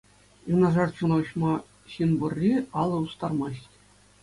Юнашар чуна уҫма ҫын пурри алӑ устармасть.